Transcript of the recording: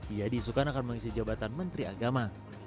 ia diisukan akan mengisi jabatan menteri agama